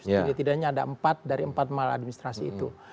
setidaknya ada empat dari empat mal administrasi itu